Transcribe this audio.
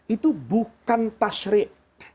itu bukan tasrik